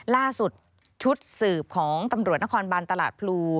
ล่าสุดชุดสืบของตำรวจนครบานตลาดพลู